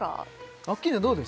アッキーナどうです